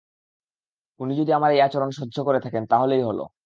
উনি যদি আমার এই আচরণ সহ্য করে থাকেন তা হলেই হল।